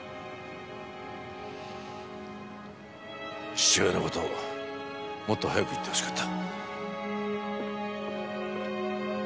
父親の事もっと早く言ってほしかった。